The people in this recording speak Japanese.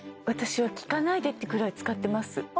私は聞かないでってくらい使ってます